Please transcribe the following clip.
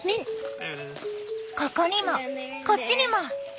ここにもこっちにも！